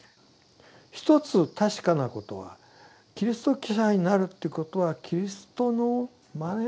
一つ確かなことはキリスト者になるということはキリストのまねをする。